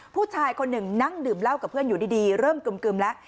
ผู้ชายคนหนึ่งนั่งดื่มเหล้ากับเพื่อนอยู่ดีเริ่มกึมแล้ว